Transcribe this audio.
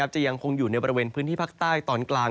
จะยังคงอยู่ในบริเวณพื้นที่ภาคใต้ตอนกลาง